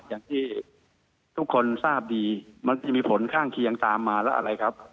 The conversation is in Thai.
อย่างที่ทุกคนทราบดีมันจะมีผลข้างเคียงตามมาแล้วอะไรครับ